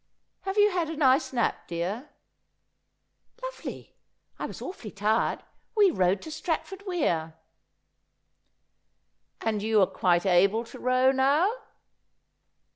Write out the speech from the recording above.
' Have you had a nice nap, dear ?'' Lovely. I was awfully tired. We rowed to Stratford Weir.' ' And you are quite able to row now